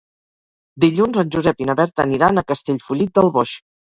Dilluns en Josep i na Berta aniran a Castellfollit del Boix.